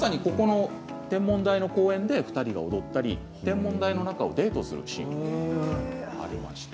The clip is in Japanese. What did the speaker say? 天文台の公園で２人が踊ったり天文台の中をデートするシーンがありました。